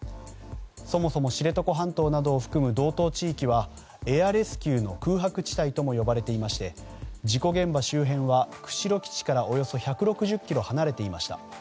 そもそも知床半島などを含む道東地域はエアレスキューの空白地帯とも呼ばれていまして事故現場周辺は釧路基地からおよそ１６０ｋｍ離れていました。